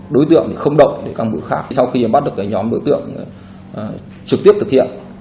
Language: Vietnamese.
đối tượng thì không động để các mũi khác sau khi bắt được cái nhóm đối tượng trực tiếp thực hiện